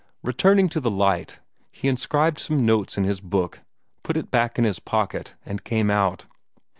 Returning to the light, he inscribed some notes in his book, put it back in his pocket, and came out.